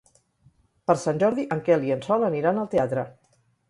Per Sant Jordi en Quel i en Sol aniran al teatre.